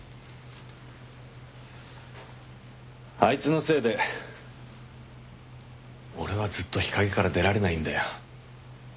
あいつのせいで俺はずっと日陰から出られないんだよ。